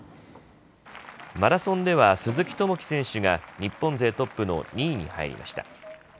マラソンでは鈴木朋樹選手が日本勢トップの２位に入りました。